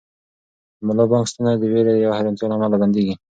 د ملا بانګ ستونی د وېرې یا حیرانتیا له امله بندېږي.